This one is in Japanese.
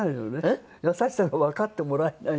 優しさがわかってもらえない。